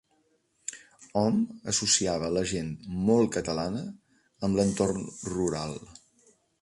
Hom associava la gent "molt catalana" amb l'entorn rural.